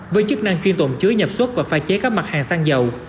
với chức năng chuyên tổn chứa nhập xuất và phai chế các mặt hàng săn dầu